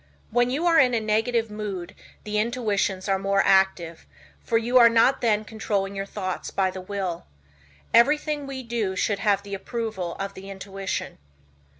When you are in a negative mood the intuitions are more active, for you are not then controlling your thoughts by the will. Everything we do. should have the approval of the intuition.